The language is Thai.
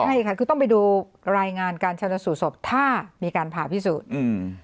ใช่ค่ะคือต้องไปดูรายงานการชนสูตรศพถ้ามีการผ่าพิสูจน์อืม